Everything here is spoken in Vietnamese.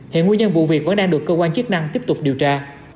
hiện nguyên nhân vụ việc vẫn đang được cơ quan chức năng tiếp tục điều tra